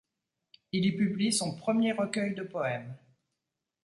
Il y publie son premier recueil de poèmes.